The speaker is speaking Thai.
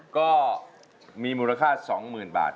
ก็มีมูลค่า๒๐๐๐บาท